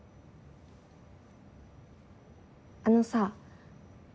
あのさ。